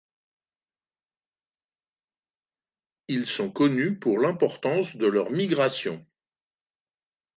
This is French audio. Ils sont connus pour l'importance de leurs migrations.